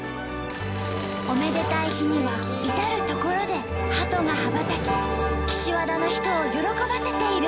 おめでたい日には至る所でハトが羽ばたき岸和田の人を喜ばせている。